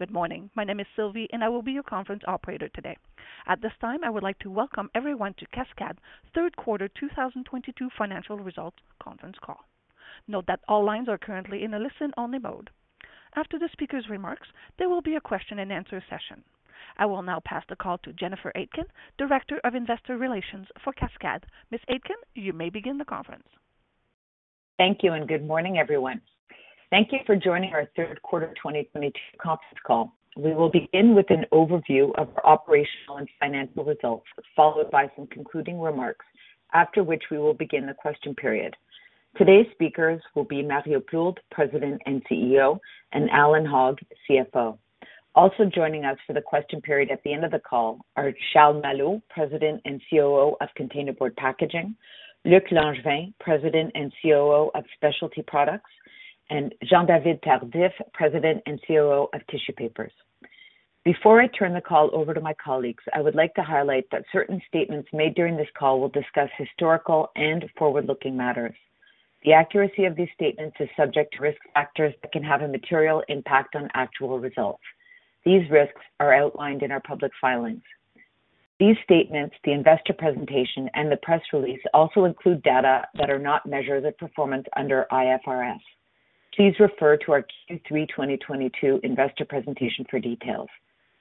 Good morning. My name is Sylvie, and I will be your conference operator today. At this time, I would like to welcome everyone to Cascades' third quarter 2022 financial results conference call. Note that all lines are currently in a listen-only mode. After the speaker's remarks, there will be a question-and-answer session. I will now pass the call to Jennifer Aitken, Director of Investor Relations for Cascades. Ms. Aitken, you may begin the conference. Thank you, and good morning, everyone. Thank you for joining our third quarter 2022 conference call. We will begin with an overview of our operational and financial results, followed by some concluding remarks, after which we will begin the question period. Today's speakers will be Mario Plourde, President and CEO, and Allan Hogg, CFO. Also joining us for the question period at the end of the call are Charles Malo, President and COO of Containerboard Packaging, Luc Langevin, President and COO of Specialty Products Group, and Jean-David Tardif, President and COO of Tissue Group. Before I turn the call over to my colleagues, I would like to highlight that certain statements made during this call will discuss historical and forward-looking matters. The accuracy of these statements is subject to risk factors that can have a material impact on actual results. These risks are outlined in our public filings. These statements, the investor presentation, and the press release also include data that are not measured at performance under IFRS. Please refer to our Q3 2022 Investor Presentation for details.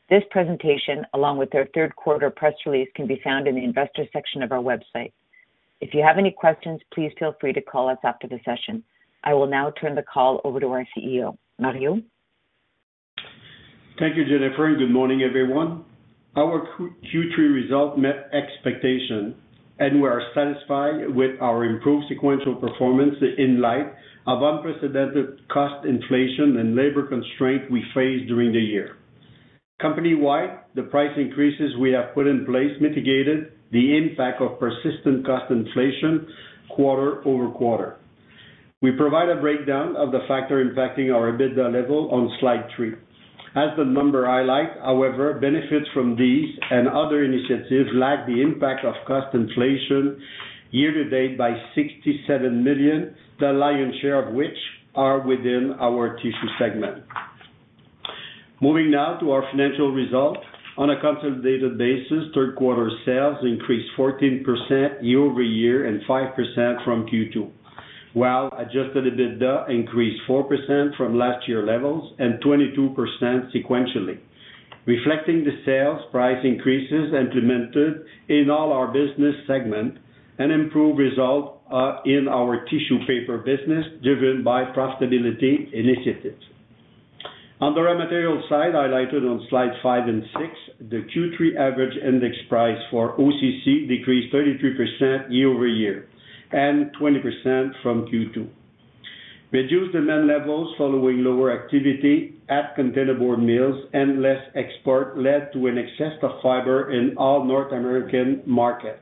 This presentation, along with our third quarter press release, can be found in the Investor section of our website. If you have any questions, please feel free to call us after the session. I will now turn the call over to our CEO, Mario. Thank you, Jennifer, and good morning, everyone. Our Q3 results met expectations, and we are satisfied with our improved sequential performance in light of unprecedented cost inflation and labor constraints we faced during the year. Company-wide, the price increases we have put in place mitigated the impact of persistent cost inflation quarter-over-quarter. We provide a breakdown of the factors impacting our EBITDA level on slide three. As the numbers highlight, however, benefits from these and other initiatives lagged the impact of cost inflation year-to-date by 67 million, the lion's share of which are within our tissue segment. Moving now to our financial results. On a consolidated basis, third quarter sales increased 14% year-over-year and 5% from Q2, while adjusted EBITDA increased 4% from last year levels and 22% sequentially, reflecting the sales price increases implemented in all our business segment and improved result in our Tissue Paper business, driven by profitability initiatives. On the raw material side, highlighted on slide five and six, the Q3 average index price for OCC decreased 33% year-over-year and 20% from Q2. Reduced demand levels following lower activity at containerboard mills and less export led to an excess of fiber in all North American market.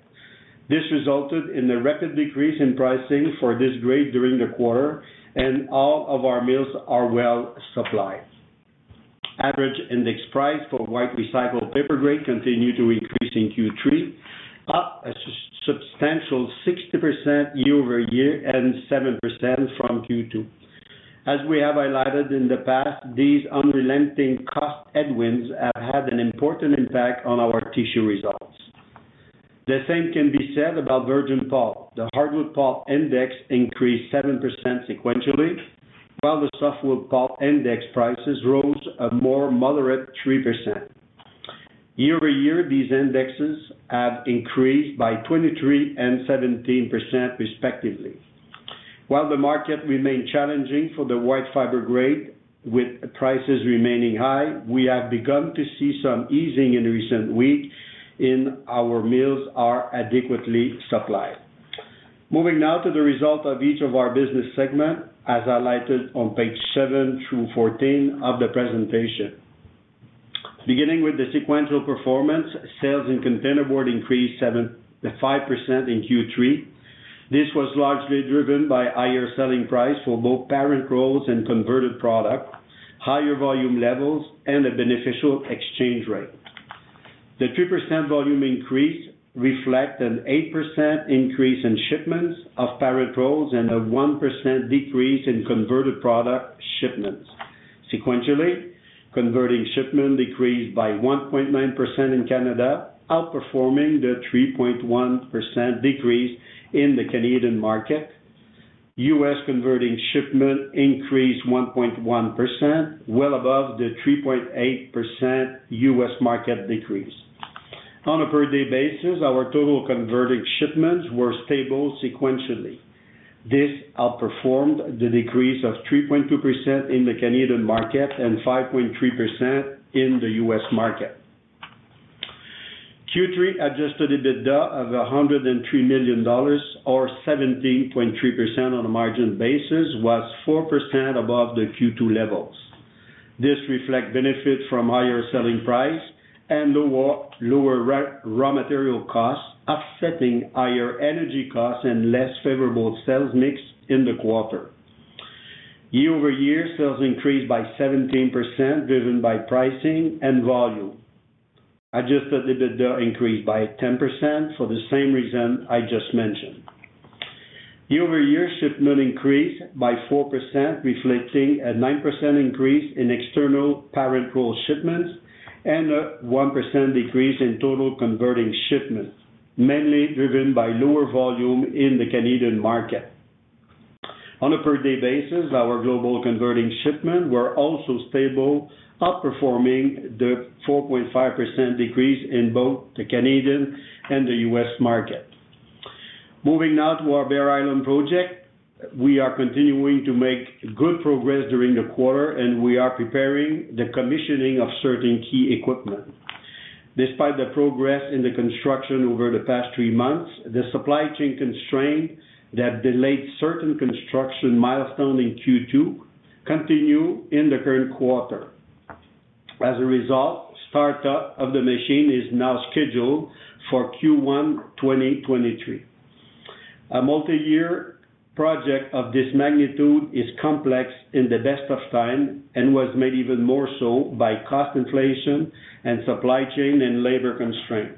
This resulted in a rapid decrease in pricing for this grade during the quarter, and all of our mills are well supplied. Average index price for white recycled paper grade continued to increase in Q3, up a substantial 60% year-over-year and 7% from Q2. As we have highlighted in the past, these unrelenting cost headwinds have had an important impact on our Tissue results. The same can be said about virgin pulp. The hardwood pulp index increased 7% sequentially, while the softwood pulp index prices rose a more moderate 3%. Year-over-year, these indexes have increased by 23% and 17% respectively. While the market remained challenging for the white fiber grade, with prices remaining high, we have begun to see some easing in recent weeks and our mills are adequately supplied. Moving now to the results of each of our business segments, as highlighted on page seven through 14 of the presentation. Beginning with the sequential performance, sales in Containerboard increased 5% in Q3. This was largely driven by higher selling prices for both parent rolls and converted products, higher volume levels, and a beneficial exchange rate. The 3% volume increase reflects an 8% increase in shipments of parent rolls and a 1% decrease in converted product shipments. Sequentially, converting shipments decreased by 1.9% in Canada, outperforming the 3.1% decrease in the Canadian market. U.S. converting shipments increased 1.1%, well above the 3.8% U.S. market decrease. On a per day basis, our total converting shipments were stable sequentially. This outperformed the decrease of 3.2% in the Canadian market and 5.3% in the U.S. market. Q3 adjusted EBITDA of 103 million dollars or 17.3% on a margin basis was 4% above the Q2 levels. This reflect benefit from higher selling price and lower raw material costs, offsetting higher energy costs and less favorable sales mix in the quarter. Year-over-year, sales increased by 17% driven by pricing and volume. Adjusted EBITDA increased by 10% for the same reason I just mentioned. Year-over-year shipment increased by 4%, reflecting a 9% increase in external parent roll shipments and a 1% decrease in total converting shipments, mainly driven by lower volume in the Canadian market. On a per day basis, our global converting shipments were also stable, outperforming the 4.5% decrease in both the Canadian and the U.S. market. Moving now to our Bear Island project. We are continuing to make good progress during the quarter, and we are preparing the commissioning of certain key equipment. Despite the progress in the construction over the past three months, the supply chain constraints that delayed certain construction milestones in Q2 continue in the current quarter. As a result, startup of the machine is now scheduled for Q1 2023. A multi-year project of this magnitude is complex in the best of times and was made even more so by cost inflation and supply chain and labor constraints.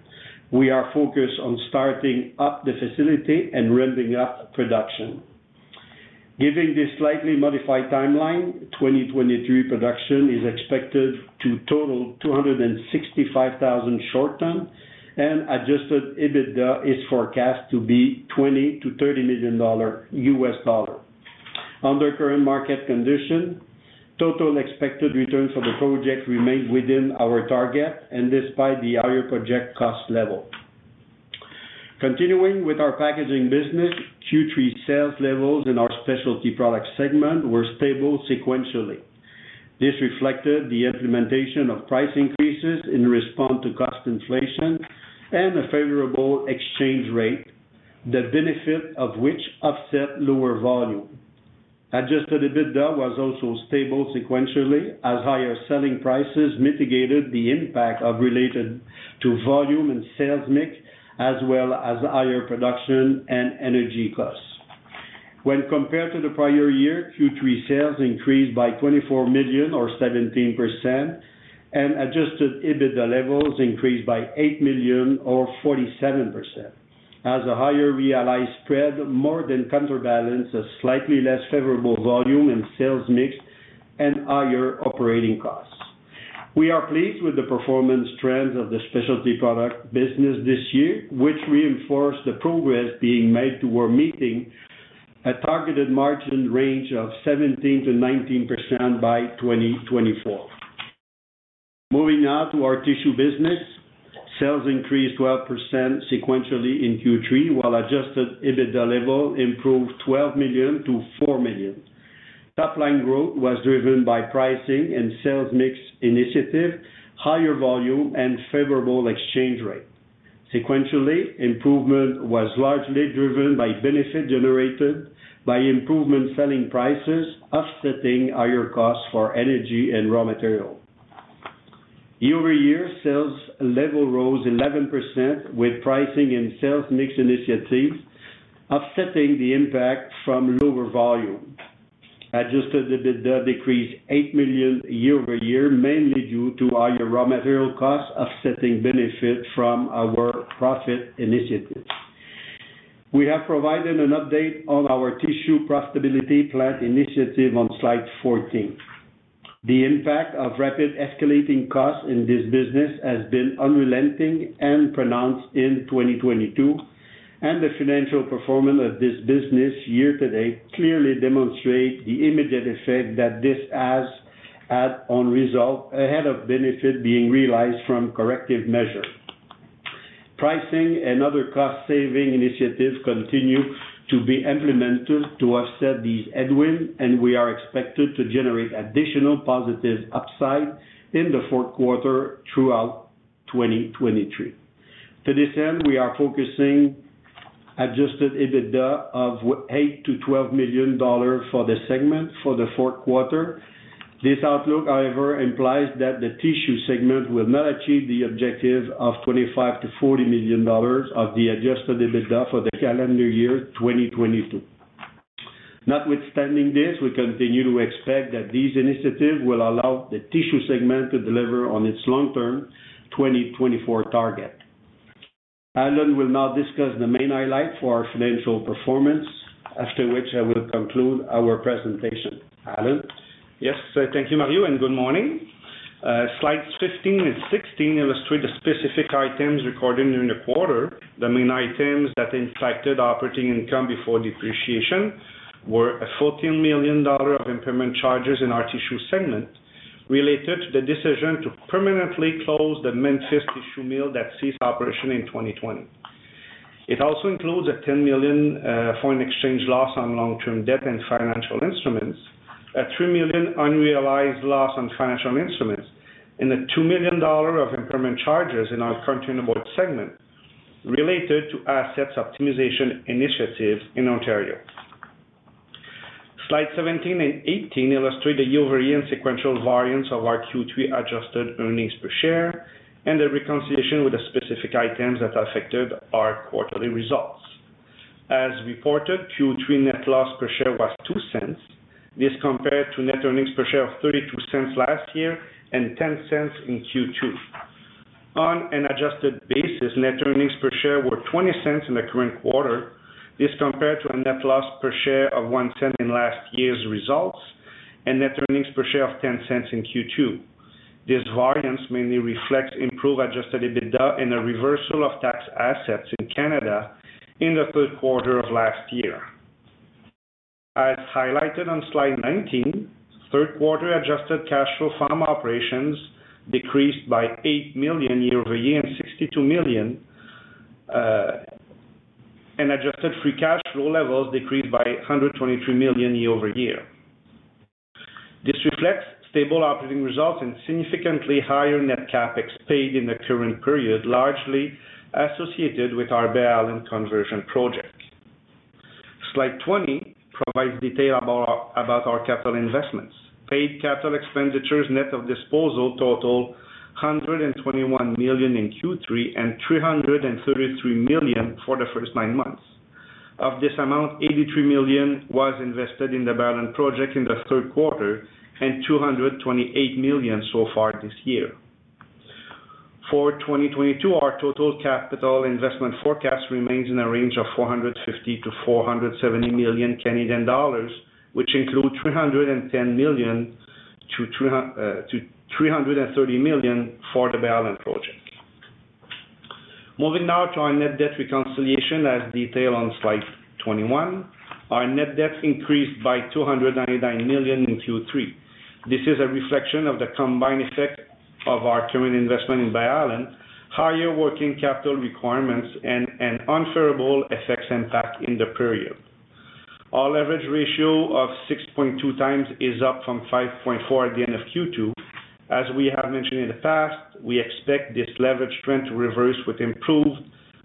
We are focused on starting up the facility and ramping up production. Given this slightly modified timeline, 2023 production is expected to total 265,000 short tons and adjusted EBITDA is forecast to be $20 million-$30 million. Under current market conditions, total expected return for the project remain within our target and despite the higher project cost level. Continuing with our packaging business, Q3 sales levels in our specialty product segment were stable sequentially. This reflected the implementation of price increases in response to cost inflation and a favorable exchange rate, the benefit of which offset lower volume. Adjusted EBITDA was also stable sequentially as higher selling prices mitigated the impact related to volume and sales mix, as well as higher production and energy costs. When compared to the prior year, Q3 sales increased by 24 million or 17%, and adjusted EBITDA levels increased by 8 million or 47%. As a higher realized spread more than counterbalances slightly less favorable volume and sales mix and higher operating costs. We are pleased with the performance trends of the Specialty Product business this year, which reinforce the progress being made toward meeting a targeted margin range of 17%-19% by 2024. Moving now to our Tissue business. Sales increased 12% sequentially in Q3, while adjusted EBITDA level improved 12 million to 4 million. Top line growth was driven by pricing and sales mix initiative, higher volume and favorable exchange rate. Sequentially, improvement was largely driven by benefit generated by improved selling prices, offsetting higher costs for energy and raw material. Year-over-year sales level rose 11%, with pricing and sales mix initiatives offsetting the impact from lower volume. Adjusted EBITDA decreased 8 million year-over-year, mainly due to higher raw material costs offsetting benefit from our pricing initiatives. We have provided an update on our Tissue Profitability Plan Initiative on slide 14. The impact of rapidly escalating costs in this business has been unrelenting and pronounced in 2022, and the financial performance of this business year-to-date clearly demonstrates the immediate effect that this has had on results ahead of benefits being realized from corrective measures. Pricing and other cost-saving initiatives continue to be implemented to offset these headwinds, and we are expected to generate additional positive upside in the fourth quarter throughout 2023. To this end, we are forecasting adjusted EBITDA of 8 million-12 million dollars for the segment for the fourth quarter. This outlook, however, implies that the Tissue segment will not achieve the objective of 25 million-40 million dollars of adjusted EBITDA for the calendar year 2022. Notwithstanding this, we continue to expect that these initiatives will allow the Tissue segment to deliver on its long-term 2024 target. Allan will now discuss the main highlights for our financial performance, after which I will conclude our presentation. Allan? Yes, thank you, Mario, and good morning. Slides 15 and 16 illustrate the specific items recorded during the quarter. The main items that impacted operating income before depreciation were 14 million dollar of impairment charges in our Tissue segment related to the decision to permanently close the Memphis tissue mill that ceased operation in 2020. It also includes 10 million foreign exchange loss on long-term debt and financial instruments, 3 million unrealized loss on financial instruments, and 2 million dollar of impairment charges in our containerboard segment related to assets optimization initiatives in Ontario. Slides 17 and 18 illustrate the year-over-year and sequential variance of our Q3 adjusted earnings per share and a reconciliation with the specific items that affected our quarterly results. As reported, Q3 net loss per share was 0.02. This compared to net earnings per share of 0.32 last year and 0.10 in Q2. On an adjusted basis, net earnings per share were 0.20 in the current quarter. This compared to a net loss per share of 0.01 in last year's results, and net earnings per share of 0.10 in Q2. This variance mainly reflects improved adjusted EBITDA and a reversal of tax assets in Canada in the third quarter of last year. As highlighted on slide 19, third quarter adjusted cash flow from operations decreased by 8 million year-over-year and 62 million, and adjusted free cash flow levels decreased by 123 million year-over-year. This reflects stable operating results and significantly higher net CapEx paid in the current period, largely associated with our Bear Island conversion project. Slide 20 provides detail about our capital investments. CapEx net of disposal totaled 121 million in Q3, and 333 million for the first nine months. Of this amount, 83 million was invested in the Bear Island project in the third quarter and 228 million so far this year. For 2022, our total capital investment forecast remains in a range of 450 million-470 million Canadian dollars, which include 310 million-330 million for the Bear Island project. Moving now to our net debt reconciliation as detailed on slide 21. Our net debt increased by 299 million in Q3. This is a reflection of the combined effect of our current investment in Bear Island, higher working capital requirements, and an unfavorable FX impact in the period. Our leverage ratio of 6.2x is up from 5.4x at the end of Q2. As we have mentioned in the past, we expect this leverage trend to reverse with improved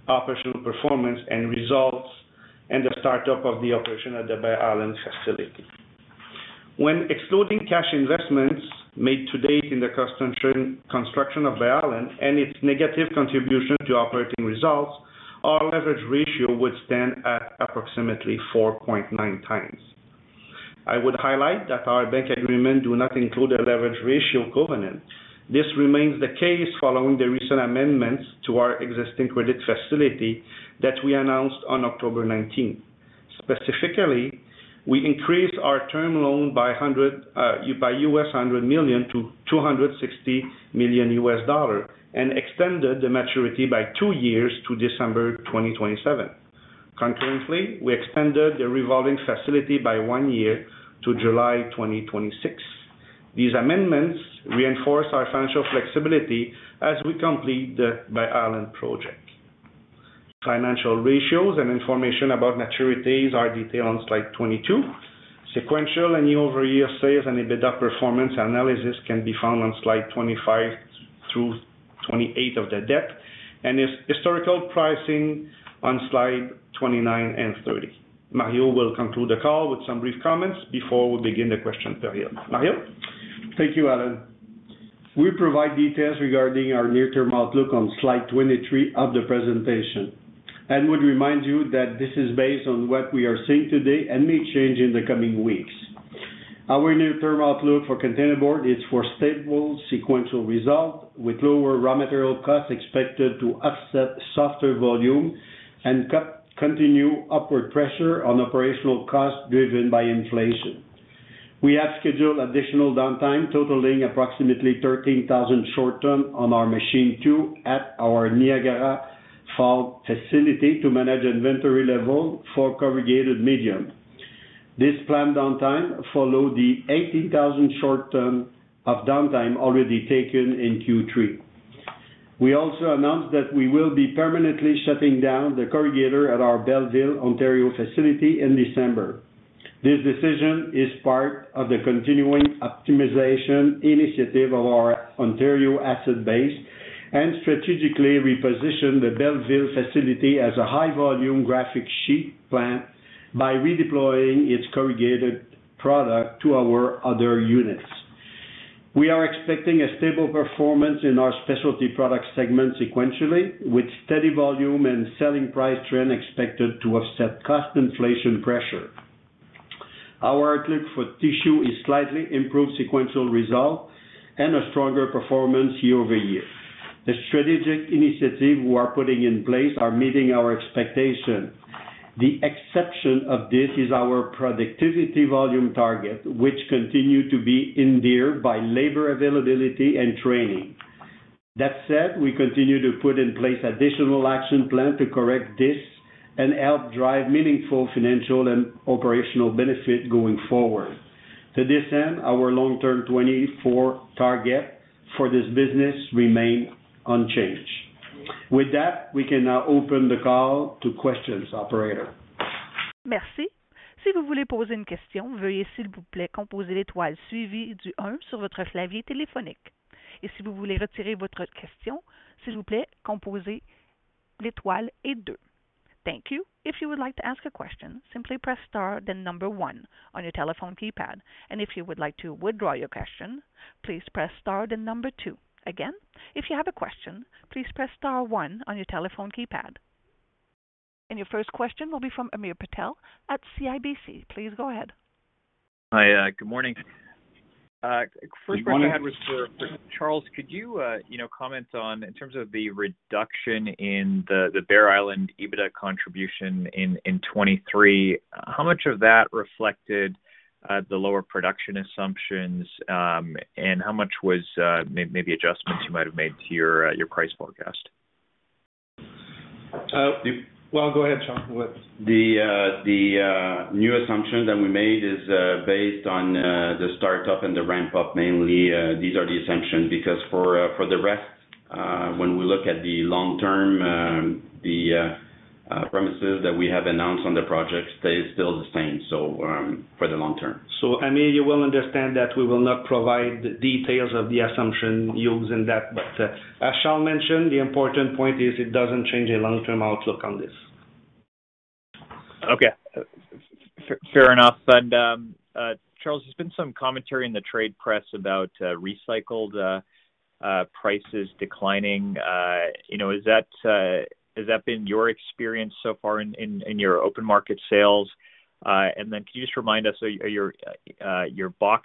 operational performance and results, and the start-up of the operation at the Bear Island facility. When excluding cash investments made to date in the construction of Bear Island and its negative contribution to operating results, our leverage ratio would stand at approximately 4.9x. I would highlight that our bank agreement do not include a leverage ratio covenant. This remains the case following the recent amendments to our existing credit facility that we announced on October 19. Specifically, we increased our term loan by $100 million, by $100 million to $260 million and extended the maturity by two years to December 2027. Concurrently, we extended the revolving facility by one year to July 2026. These amendments reinforce our financial flexibility as we complete the Bear Island project. Financial ratios and information about maturities are detailed on slide 22. Sequential and year-over-year sales and EBITDA performance analysis can be found on slide 25 through 28 of the deck, and historical pricing on slide 29 and 30. Mario will conclude the call with some brief comments before we begin the question period. Mario. Thank you, Allan. We provide details regarding our near-term outlook on slide 23 of the presentation, and would remind you that this is based on what we are seeing today and may change in the coming weeks. Our near-term outlook for Containerboard is for stable sequential results, with lower raw material costs expected to offset softer volume and continued upward pressure on operational costs driven by inflation. We have scheduled additional downtime totaling approximately 13,000 short tons on our machine two at our Niagara Falls facility to manage inventory levels for corrugated medium. This planned downtime followed the 18,000 short tons of downtime already taken in Q3. We also announced that we will be permanently shutting down the corrugator at our Belleville, Ontario facility in December. This decision is part of the continuing optimization initiative of our Ontario asset base and strategically reposition the Belleville facility as a high volume graphic sheet plant by redeploying its corrugated product to our other units. We are expecting a stable performance in our specialty product segment sequentially, with steady volume and selling price trend expected to offset cost inflation pressure. Our outlook for Tissue is slightly improved sequential result and a stronger performance year-over-year. The strategic initiatives we are putting in place are meeting our expectation. The exception of this is our productivity volume target, which continue to be hindered by labor availability and training. That said, we continue to put in place additional action plan to correct this and help drive meaningful financial and operational benefit going forward. To this end, our long-term 2024 target for this business remain unchanged. With that, we can now open the call to questions. Operator. Merci. Si vous voulez poser une question, veuillez s'il vous plaît composer l'étoile suivi du un sur votre clavier téléphonique. Si vous voulez retirer votre question, s'il vous plaît composez l'étoile et deux. Thank you. If you would like to ask a question, simply press star then number one on your telephone keypad. If you would like to withdraw your question, please press star then number two. Again, if you have a question, please press star one on your telephone keypad. Your first question will be from Hamir Patel at CIBC. Please go ahead. Hi. Good morning. First question I had was for Charles. Could you know, comment on in terms of the reduction in the Bear Island EBITDA contribution in 2023. How much of that reflected the lower production assumptions, and how much was maybe adjustments you might have made to your price forecast? Well, go ahead, Charles. The new assumption that we made is based on the startup and the ramp-up mainly. These are the assumptions. Because for the rest, when we look at the long-term, the premises that we have announced on the project stays still the same, so for the long term. I mean, you will understand that we will not provide the details of the assumption yields in that. As Charles mentioned, the important point is it doesn't change a long-term outlook on this. Okay. Fair enough. Charles, there's been some commentary in the trade press about recycled prices declining. You know, has that been your experience so far in your open market sales? Then can you just remind us, are your box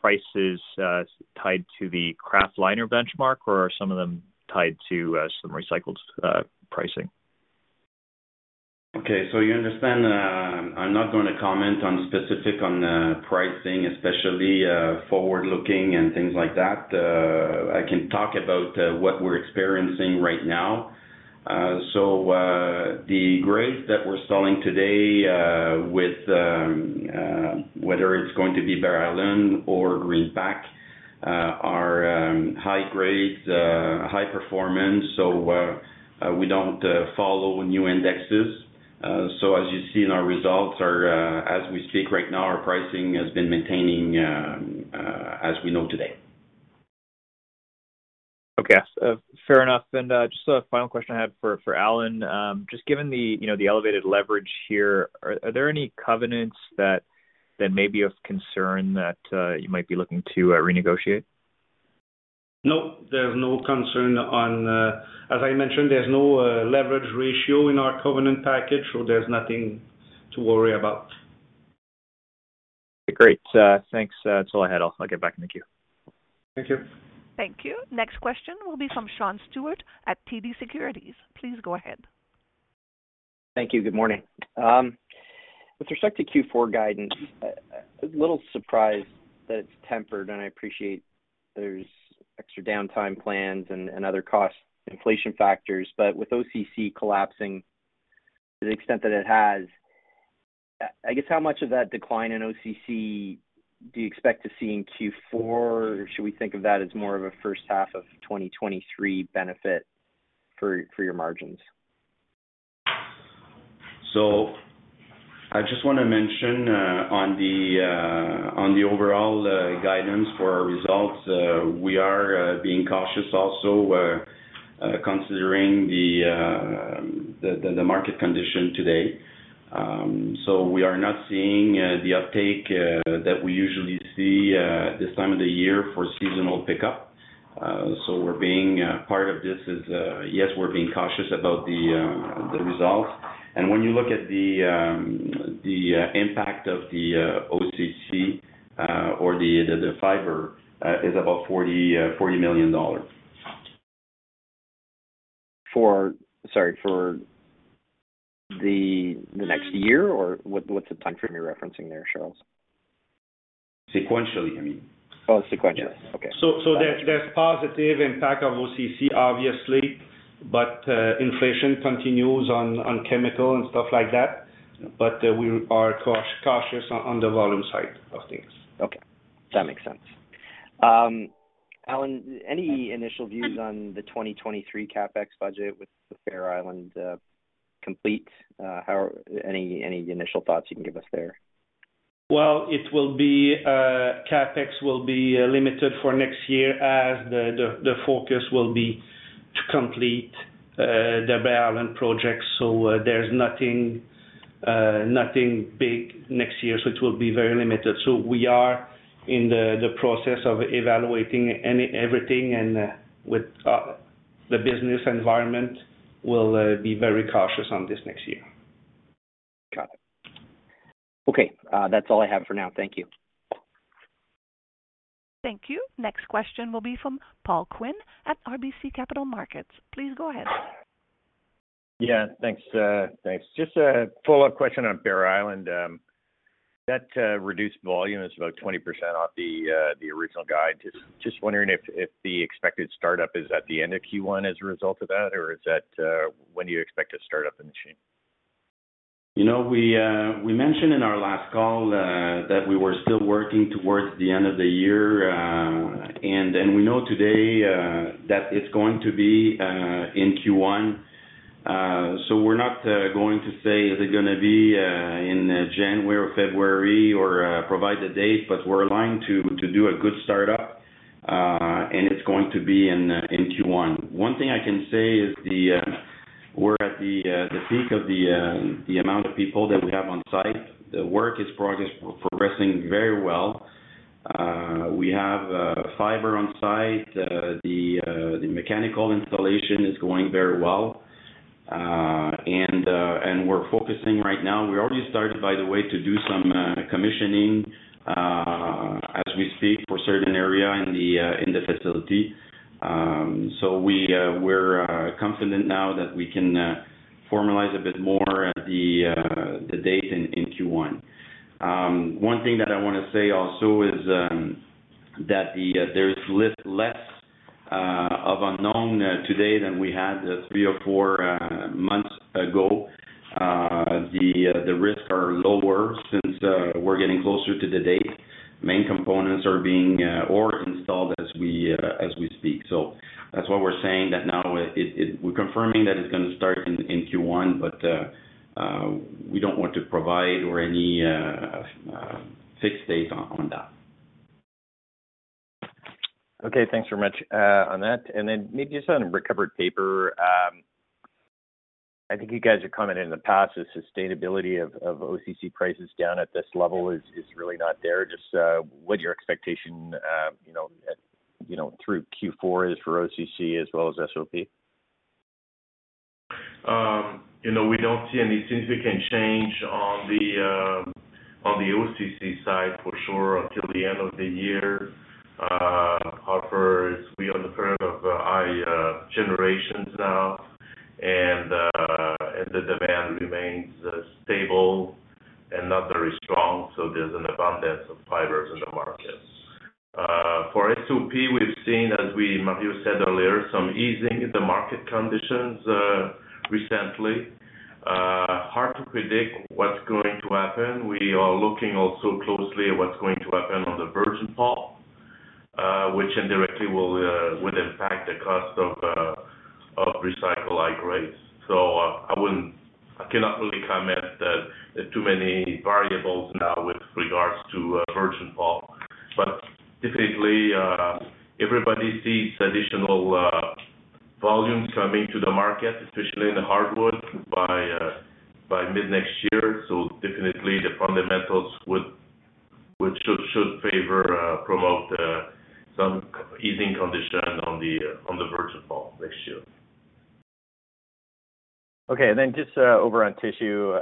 prices tied to the kraft liner benchmark, or are some of them tied to some recycled pricing? Okay. You understand, I'm not gonna comment on specifics on pricing, especially forward-looking and things like that. I can talk about what we're experiencing right now. The grades that we're selling today, with whether it's going to be Bear Island or Greenpac, are high grade, high performance. We don't follow new indexes. As you see in our results as we speak right now, our pricing has been maintaining as we know today. Okay. Fair enough. Just a final question I had for Allan. Just given the, you know, the elevated leverage here, are there any covenants that may be of concern that you might be looking to renegotiate? Nope. There's no concern on. As I mentioned, there's no leverage ratio in our covenant package, so there's nothing to worry about. Great. Thanks. That's all I had. I'll get back in the queue. Thank you. Thank you. Next question will be from Sean Steuart at TD Securities. Please go ahead. Thank you. Good morning. With respect to Q4 guidance, little surprised that it's tempered, and I appreciate there's extra downtime plans and other cost inflation factors. With OCC collapsing to the extent that it has, I guess how much of that decline in OCC do you expect to see in Q4, or should we think of that as more of a first half of 2023 benefit for your margins? I just want to mention on the overall guidance for our results, we are being cautious also considering the market condition today. We are not seeing the uptake that we usually see this time of the year for seasonal pickup. We're being part of this is yes, we're being cautious about the results. When you look at the impact of the OCC or the fiber is about CAD 40 million. Sorry, for the next year or what's the time frame you're referencing there, Charles? Sequentially, I mean. Oh, sequentially. Yes. Okay. There's positive impact of OCC, obviously, but inflation continues on chemical and stuff like that. We are cautious on the volume side of things. Okay. That makes sense. Allan, any initial views on the 2023 CapEx budget with the Bear Island complete? Any initial thoughts you can give us there? Well, it will be, CapEx will be, limited for next year as the focus will be to complete the Bear Island project. There's nothing big next year, so it will be very limited. We are in the process of evaluating everything and with the business environment, we'll be very cautious on this next year. Got it. Okay, that's all I have for now. Thank you. Thank you. Next question will be from Paul Quinn at RBC Capital Markets. Please go ahead. Thanks. Just a follow-up question on Bear Island. That reduced volume is about 20% off the original guide. Just wondering if the expected startup is at the end of Q1 as a result of that. When do you expect to start up the machine? You know, we mentioned in our last call that we were still working towards the end of the year, and we know today that it's going to be in Q1. So we're not going to say, is it gonna be in January or February or provide the date, but we're aligned to do a good startup, and it's going to be in Q1. One thing I can say is we're at the peak of the amount of people that we have on site. The work is progressing very well. We have fiber on site. The mechanical installation is going very well. We're focusing right now. We already started, by the way, to do some commissioning as we speak for a certain area in the facility. We're confident now that we can formalize a bit more at the date in Q1. One thing that I wanna say also is that there's less unknowns today than we had three or four months ago. The risks are lower since we're getting closer to the date. Main components are being installed as we speak. That's why we're saying that now. We're confirming that it's gonna start in Q1, but we don't want to provide any fixed date on that. Okay, thanks very much, on that. Then maybe just on recovered paper. I think you guys are commenting in the past, the sustainability of OCC prices down at this level is really not there. Just, what's your expectation, you know, through Q4 is for OCC as well as SOP? You know, we don't see any significant change on the OCC side for sure until the end of the year. However, we are in the period of high generations now, and the demand remains stable and not very strong, so there's an abundance of fibers in the market. For SOP, we've seen, Mario said earlier, some easing in the market conditions recently. Hard to predict what's going to happen. We are looking also closely at what's going to happen on the virgin pulp, which indirectly would impact the cost of recycled grades. I cannot really comment. There are too many variables now with regards to virgin pulp. Typically, everybody sees additional volumes coming to the market, especially in the hardwood by mid-next year. Definitely the fundamentals should promote some easing condition on the virgin pulp next year. Okay. Just over on Tissue,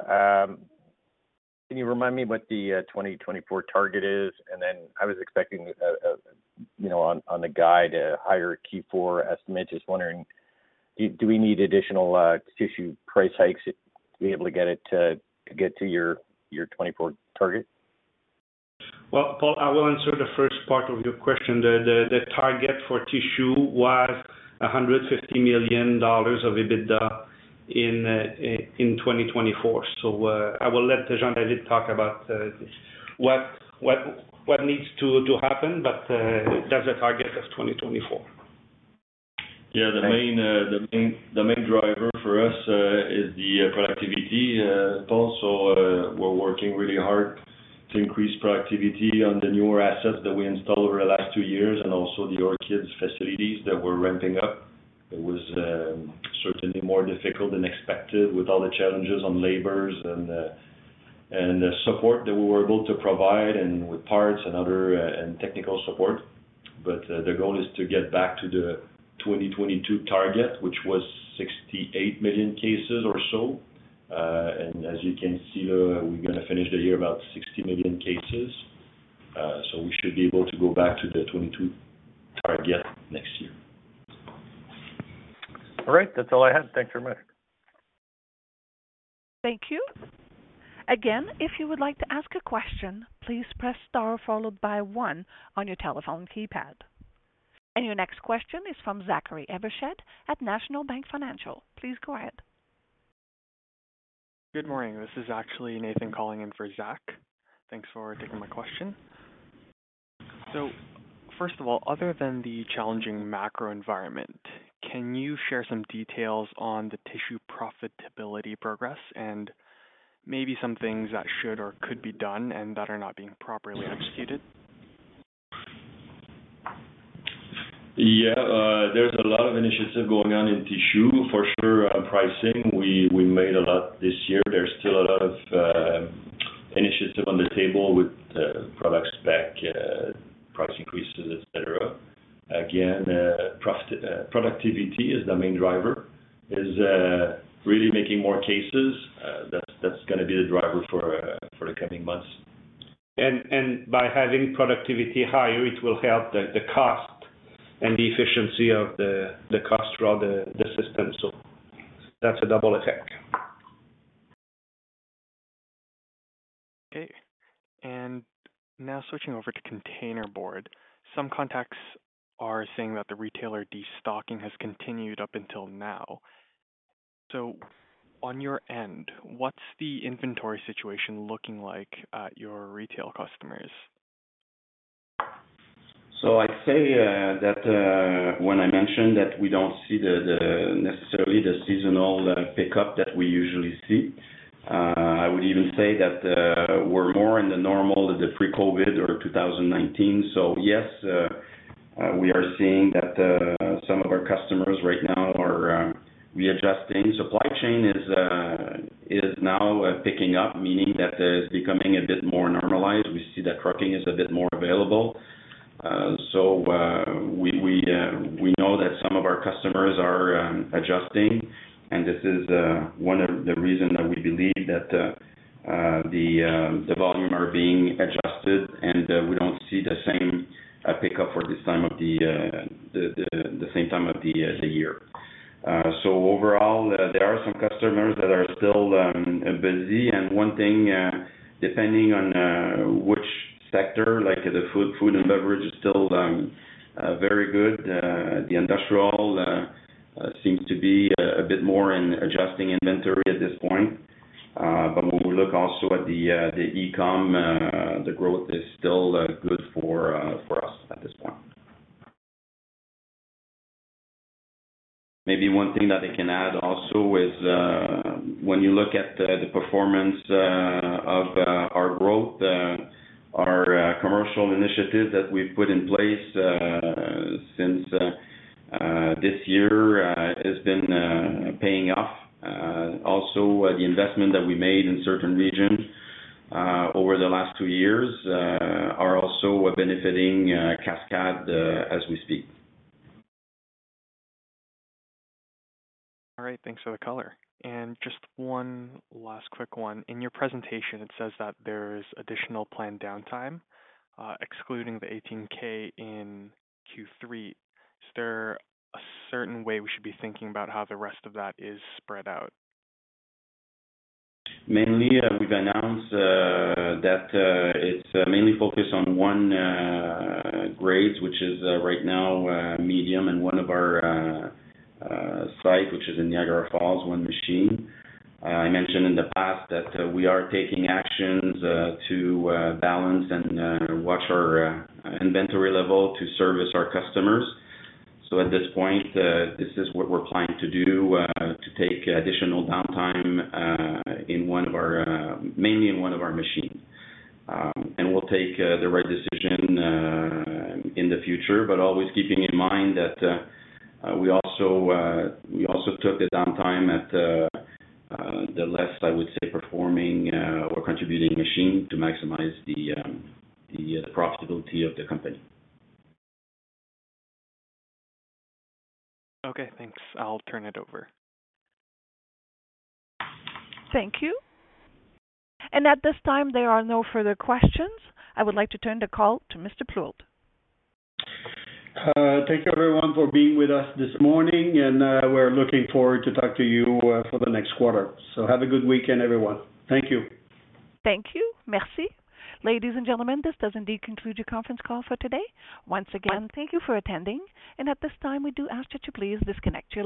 can you remind me what the 2024 target is? I was expecting, you know, on the guide, a higher Q4 estimate. Just wondering, do we need additional tissue price hikes to be able to get it to get to your 2024 target? Well, Paul, I will answer the first part of your question. The target for tissue was 150 million dollars of EBITDA in 2024. I will let Jean-David talk about what needs to happen, but that's the target of 2024. Yeah. The main driver for us is the productivity, Paul. We're working really hard to increase productivity on the newer assets that we installed over the last two years and also the Orchids facilities that we're ramping up. It was certainly more difficult than expected with all the challenges on labor and the support that we were able to provide and with parts and other technical support. The goal is to get back to the 2022 target, which was 68 million cases or so. As you can see, we're gonna finish the year about 60 million cases. We should be able to go back to the 2022 target next year. All right. That's all I had. Thanks very much. Thank you. Again, if you would like to ask a question, please press star followed by one on your telephone keypad. Your next question is from Zachary Evershed at National Bank Financial. Please go ahead. Good morning. This is actually Nathan calling in for Zach. Thanks for taking my question. First of all, other than the challenging macro environment, can you share some details on the Tissue Profitability progress and maybe some things that should or could be done and that are not being properly executed? Yeah. There's a lot of initiative going on in Tissue for sure. On pricing, we made a lot this year. There's still a lot of initiative on the table with products back, price increases, et cetera. Again, productivity is the main driver, really making more cases. That's gonna be the driver for the coming months. By having productivity higher, it will help the cost and the efficiency of the cost throughout the system. That's a double attack. Okay. Now switching over to Containerboard. Some contacts are saying that the retailer destocking has continued up until now. On your end, what's the inventory situation looking like at your retail customers? I'd say that when I mentioned that we don't see necessarily the seasonal pickup that we usually see, I would even say that we're more in the normal pre-COVID or 2019. So yes, we are seeing that some of our customers right now are readjusting. Supply chain is now picking up, meaning that it's becoming a bit more normalized. We see that trucking is a bit more available. So we know that some of our customers are adjusting, and this is one of the reason that we believe that the volume are being adjusted and we don't see the same pickup for this time of the year. So overall, there are some customers that are still busy. One thing, depending on which sector, like the food and beverage is still very good. The industrial seems to be a bit more in adjusting inventory at this point. When we look also at the e-com, the growth is still good for us at this point. Maybe one thing that I can add also is, when you look at the performance of our growth, our commercial initiatives that we've put in place since this year has been paying off. Also, the investment that we made in certain regions over the last two years are also benefiting Cascades as we speak. All right. Thanks for the color. Just one last quick one. In your presentation, it says that there's additional planned downtime, excluding the 18,000 short ton in Q3. Is there a certain way we should be thinking about how the rest of that is spread out? Mainly, we've announced that it's mainly focused on one grade, which is right now medium in one of our sites, which is in Niagara Falls, one machine. I mentioned in the past that we are taking actions to balance and watch our inventory level to service our customers. At this point, this is what we're planning to do to take additional downtime in one of our, mainly in one of our machines. And we'll take the right decision in the future. Always keeping in mind that we also took the downtime at the least, I would say, performing or contributing machine to maximize the profitability of the company. Okay, thanks. I'll turn it over. Thank you. At this time, there are no further questions. I would like to turn the call to Mr. Plourde. Thank you everyone for being with us this morning, and we're looking forward to talk to you for the next quarter. Have a good weekend, everyone. Thank you. Thank you. Merci. Ladies and gentlemen, this does indeed conclude your conference call for today. Once again, thank you for attending, and at this time, we do ask you to please disconnect your line.